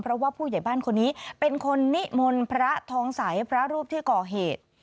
เพราะว่าผู้ใหญ่บ้านคนนี้เป็นคนนิมนต์พระทองใสพระรูปที่ก่อเหตุ